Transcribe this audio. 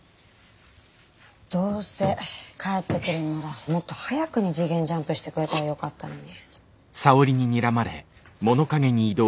どうせ帰ってくるんならもっと早くに次元ジャンプしてくれたらよかったのに。